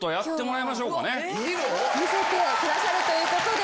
いいの⁉見せてくださるということで。